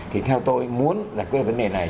thì theo tôi muốn giải quyết vấn đề này